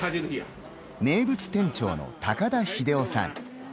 名物店長の高田日出夫さん。